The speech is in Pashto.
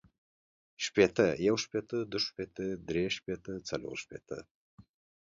شپیته، یو شپیته، دوه شپیته، درې شپیته، څلور شپیته